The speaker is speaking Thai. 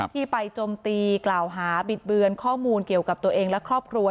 ที่ไปจมตีกล่าวหาบิดเบือนข้อมูลเกี่ยวกับตัวเองและครอบครัว